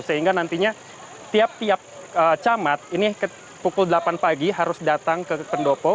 sehingga nantinya tiap tiap camat ini pukul delapan pagi harus datang ke pendopo